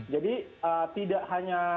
jadi tidak hanya